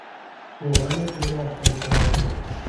روغن گل آفتابگردان